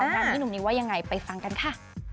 ดำมือนี่ว่าอย่างไรไปฟังกันค่ะ